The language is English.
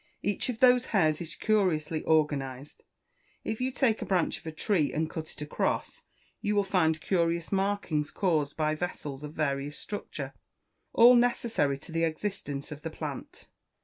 Each of those hairs is curiously organised. If you take a branch of a tree, and cut it across, you will find curious markings caused by vessels of various structure, all necessary to the existence of the plant.